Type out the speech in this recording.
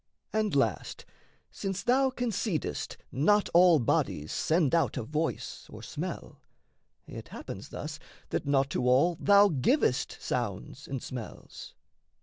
And, last, since thou concedest not all bodies Send out a voice or smell, it happens thus That not to all thou givest sounds and smells.